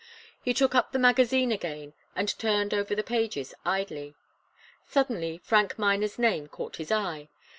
He took up the magazine again, and turned over the pages idly. Suddenly Frank Miner's name caught his eye.